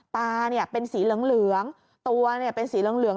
ตาเป็นสีเหลืองตัวเป็นสีเหลือง